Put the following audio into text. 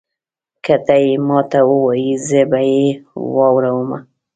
که تۀ یې ماته ووایي زه به یې واورمه.